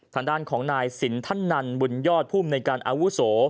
ทางด้านของนายสินทนันบุญยอดภูมิในการอาวุโส